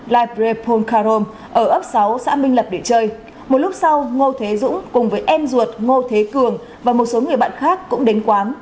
lai pre pong karom ở ấp sáu xã minh lập để chơi một lúc sau ngô thế dũng cùng với em ruột ngô thế cường và một số người bạn khác cũng đến quán